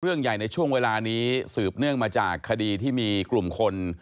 เรื่องใหญ่ในช่วงเวลานี้สืบเนื่องมาจากคดีที่มีกลุ่มคน